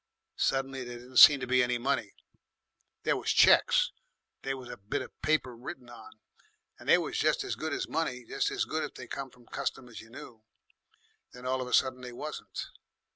Suddenly there didn't seem to be any money. There was cheques they was a bit of paper written on, and they was jes' as good as money jes' as good if they come from customers you knew. Then all of a sudden they wasn't.